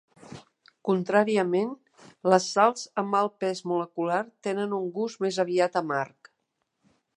Contràriament, les sals amb alt pes molecular tenen un gust més aviat amarg.